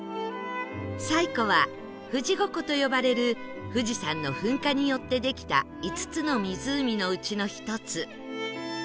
西湖は富士五湖と呼ばれる富士山の噴火によってできた５つの湖のうちの１つ